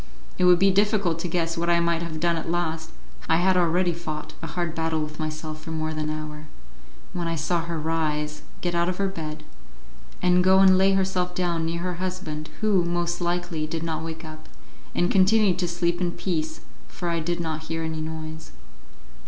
It would be difficult to guess what I might have done at last (I had already fought a hard battle with myself for more than an hour), when I saw her rise, get out of her bed, and go and lay herself down near her husband, who, most likely, did not wake up, and continued to sleep in peace, for I did not hear any noise.